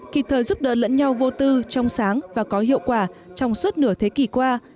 kịp thời giúp đỡ lẫn nhau vô tư trong sáng và có hiệu quả trong suốt nửa thế kỷ qua